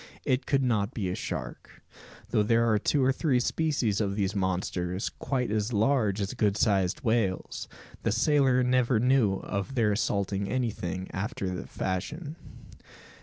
It could not be a shark. Though there are two or three species of these monsters, quite as large as good sized whales, the sailor never knew of their assaulting anything after that fashion.